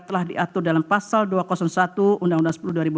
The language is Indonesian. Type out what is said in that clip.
telah diatur dalam pasal dua ratus satu undang undang sepuluh dua ribu dua